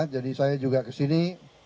jadi saya juga kesini